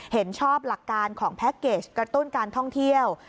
เห็นชอบหลักการของแพ็คเกจกระตุ้นการท่องเที่ยว